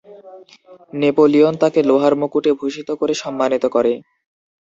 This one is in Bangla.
নেপোলিয়ন তাকে লোহার মুকুটে ভূষিত করে সম্মানিত করে।